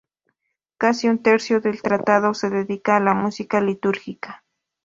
Casi un tercio del tratado se dedica a la música litúrgica.